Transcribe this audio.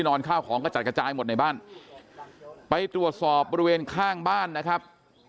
ข้าวของกระจัดกระจายหมดในบ้านไปตรวจสอบบริเวณข้างบ้านนะครับ